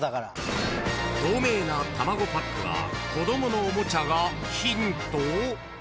［透明なたまごパックは子供のおもちゃがヒント？］